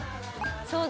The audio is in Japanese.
そうだ。